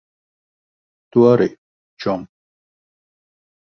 Tu arī, čom.